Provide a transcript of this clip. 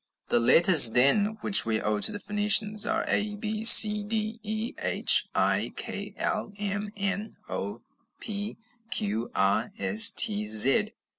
The letters, then, which we owe to the Phoenicians, are A, B, C, D, E, H, I, K, L, M, N, O, P, Q, R, S, T, Z.